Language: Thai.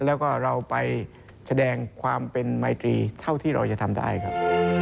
แล้วก็เราไปแสดงความเป็นไมตรีเท่าที่เราจะทำได้ครับ